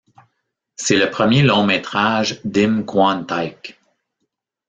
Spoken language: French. C'est le premier long métrage d'Im Kwon-taek.